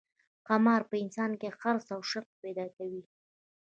قمار په انسان کې حرص او شوق پیدا کوي.